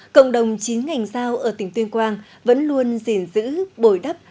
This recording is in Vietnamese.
cộng đồng chí ngành giao ở tỉnh tuyên quang vẫn luôn giỉn giữ bồi đắp